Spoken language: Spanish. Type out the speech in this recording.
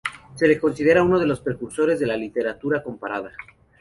Se le considera uno de los precursores de la Literatura Comparada.